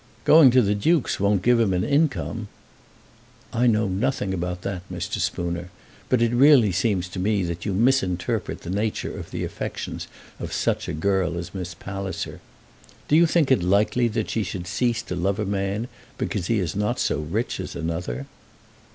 "Going to the Duke's won't give him an income." "I know nothing about that, Mr. Spooner. But it really seems to me that you misinterpret the nature of the affections of such a girl as Miss Palliser. Do you think it likely that she should cease to love a man because he is not so rich as another?"